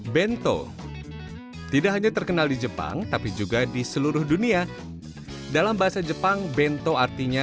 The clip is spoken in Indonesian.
bento tidak hanya terkenal di jepang tapi juga di seluruh dunia dalam bahasa jepang bento artinya